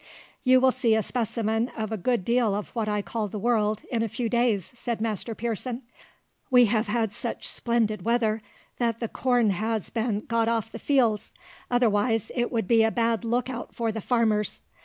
"You will see a specimen of a good deal of what I call the world in a few days," said Master Pearson. "We have had such splendid weather, that the corn has been got off the fields, otherwise it would be a bad look out for the farmers.